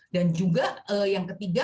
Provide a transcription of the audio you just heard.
dan juga yang ketiga